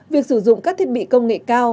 việc sử dụng các thiết bị công nghệ cao